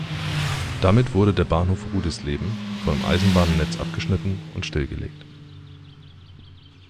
Damit wurde der Bahnhof Rudisleben vom Eisenbahnnetz abgeschnitten und stillgelegt.